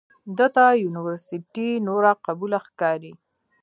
ده ته یونورسټي نوره قبوله ښکاري.